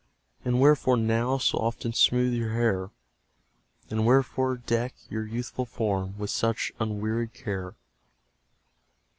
and wherefore now So often smoothe your hair? And wherefore deck your youthful form With such unwearied care?